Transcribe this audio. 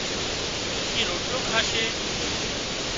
اِي روٽلو کاشي